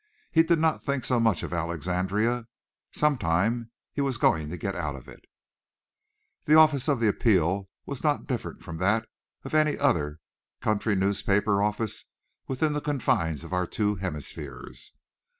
He did not think so much of Alexandria. Some time he was going to get out of it. The office of the Appeal was not different from that of any other country newspaper office within the confines of our two hemispheres.